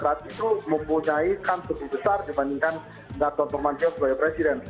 jadi saya mengatakan bahwa krat itu mempunyai kan lebih besar dibandingkan gatot nurmantio sebagai presiden